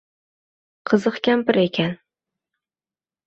«Qiziq kampir ekan…»